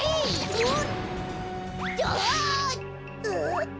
うん。